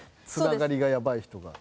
つながりがやばい人が。